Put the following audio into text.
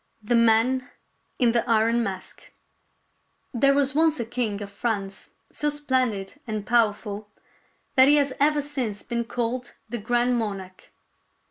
THE MAN IN THE IRON MASK There was once a king of France so splendid and powerful that he has ever since been called the Grand Monarch.